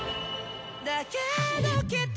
「だけどきっと」